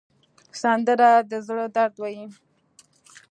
سندره د زړه درد وایي